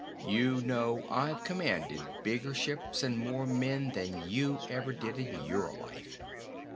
You know I've commanded bigger ships and more men than you ever did in your life.